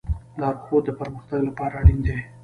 لارښود د پرمختګ لپاره اړین دی.